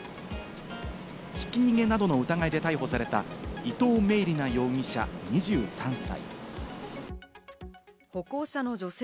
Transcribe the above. ひき逃げなどの疑いで逮捕された伊藤明理那容疑者、２３歳。